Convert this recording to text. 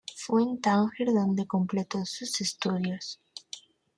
Fue en Tánger donde completó sus estudios.